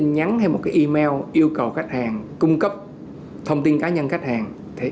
nhắn hay một cái email yêu cầu khách hàng cung cấp thông tin cá nhân khách hàng